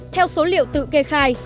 theo số liệu tự kê khai